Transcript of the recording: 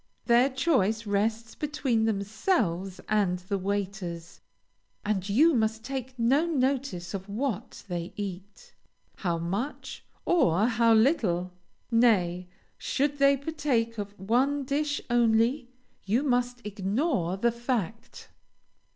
Their choice rests between themselves and the waiters, and you must take no notice of what they eat, how much, or how little. Nay, should they partake of one dish only, you must ignore the fact.